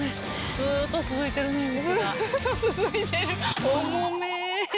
ずっと続いてるね道が。